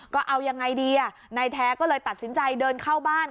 ก็เอายังไงดีอ่ะนายแท้ก็เลยตัดสินใจเดินเข้าบ้าน